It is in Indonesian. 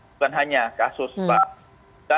bukan hanya kasus pak